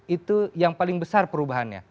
itu yang paling besar perubahannya